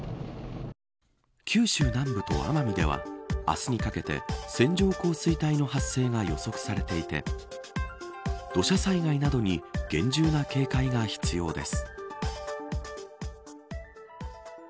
九州南部と奄美では明日にかけて線状降水帯の発生が予測されていて土砂災害などに厳重な警戒が必要です。